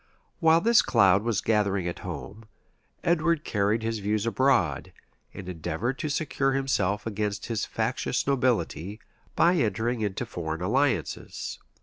While this cloud was gathering at home, Edward carried his views abroad, and endeavored to secure himself against his factious nobility, by entering into foreign alliances.